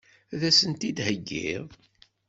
Ad as-tent-id-theggiḍ?